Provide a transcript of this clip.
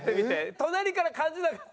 隣から感じなかった？